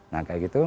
nah kayak gitu